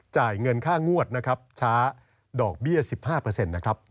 จ่ายเงินค่างวดนะครับช้าดอกเบี้ย๑๕นะครับ